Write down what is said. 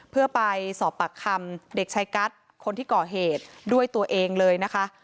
เพื่อไปสอบปากคำเด็กชายกัสคนที่ก่อเหตุด้วยตัวเองเลยนะคะ